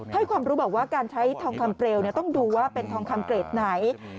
ให้ความรู้บอกว่าการใช้ทองคำเปลวต้องดูว่าเป็นทองคำเกรดไหน